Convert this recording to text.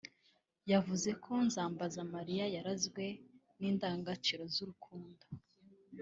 yavuze ko Nzambazamariya yaranzwe n’indangagaciro z’urukundo